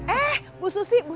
eh bu susi